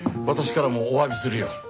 私からもお詫びするよ。